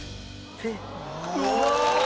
うわ！